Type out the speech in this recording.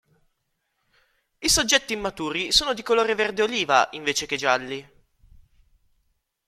I soggetti immaturi sono di colore verde oliva invece che gialli.